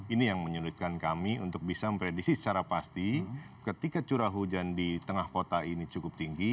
ini yang menyulitkan kami untuk bisa memprediksi secara pasti ketika curah hujan di tengah kota ini cukup tinggi